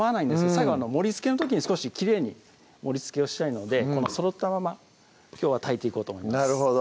最後盛りつけの時に少しきれいに盛りつけをしたいのでこのそろったままきょうは炊いていこうと思います